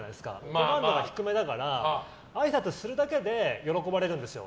好感度が低めだからあいさつをするだけで喜ばれるんですよ。